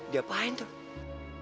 dia apain tuh